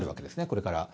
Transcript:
これから。